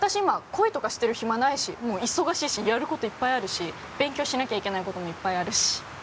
今恋とかしてる暇ないしもう忙しいしやることいっぱいあるし勉強しなきゃいけないこともいっぱいあるし